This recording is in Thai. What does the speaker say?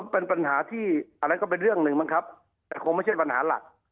เป็นปัญหาที่อันนั้นก็เป็นเรื่องหนึ่งมั้งครับแต่คงไม่ใช่ปัญหาหลัก